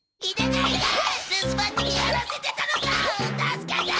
助けてー！